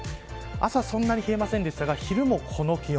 朝、そんなに冷えませんでしたが昼もこの気温。